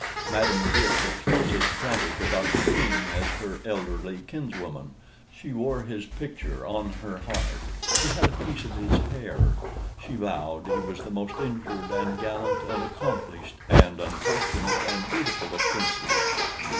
Madame Beatrix was as frantic about the King as her elderly kinswoman: she wore his picture on her heart; she had a piece of his hair; she vowed he was the most injured, and gallant, and accomplished, and unfortunate, and beautiful of princes.